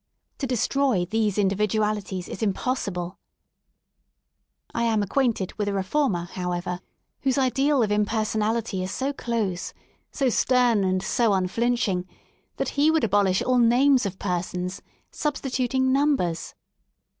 To destroy these individualities is impossible, I am acquainted with a reformer, however^ whose ideal of i6o 4 REST IN LONDON impersonality is so close, so stem, and so unflinching that he would abolish all names of persons, substituting numbers.